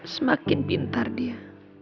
semakin pintar dia